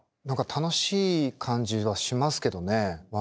何か楽しい感じはしますけどね。